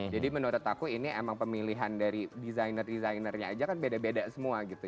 jadi menurut aku ini emang pemilihan dari designer designernya aja kan beda beda semua gitu